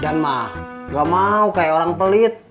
jangan mah gak mau kayak orang pelit